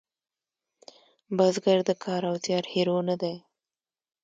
بزګر د کار او زیار هیرو نه دی